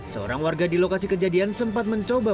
seorang warga di lokasi kejadian sempat mencoba